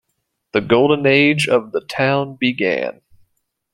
The Golden Age of the town began.